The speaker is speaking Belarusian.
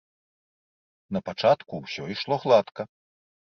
Напачатку ўсё ішло гладка.